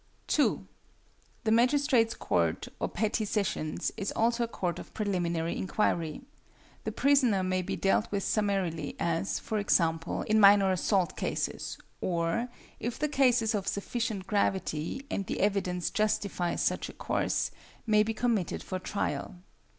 2. =The Magistrate's Court or Petty Sessions= is also a court of preliminary inquiry. The prisoner may be dealt with summarily, as, for example, in minor assault cases, or, if the case is of sufficient gravity, and the evidence justifies such a course, may be committed for trial.